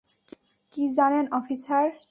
কী জানেন অফিসার?